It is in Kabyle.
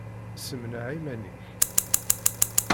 Ssemneɛ iman-nnek!